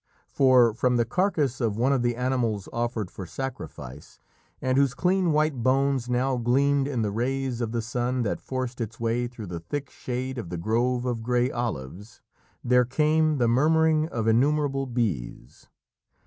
For, from the carcase of one of the animals offered for sacrifice, and whose clean white bones now gleamed in the rays of the sun that forced its way through the thick shade of the grove of grey olives, there came the "murmuring of innumerable bees."